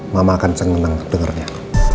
mama akan seneng dengernya